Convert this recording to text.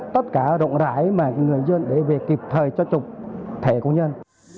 tất cả rộng rãi mà người dân để về kịp thời cho chụp thẻ công dân